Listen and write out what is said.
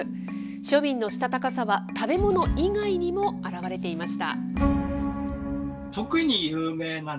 庶民のしたたかさは食べ物以外にも現れていました。